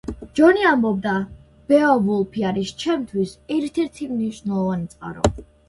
ჯონი ამბობდა: „ბეოვულფი არის ჩემთვის ერთ-ერთი მნიშვნელოვანი წყარო“.